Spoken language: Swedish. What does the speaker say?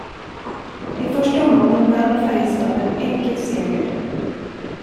I första omgången vann Färjestad en enkel seger.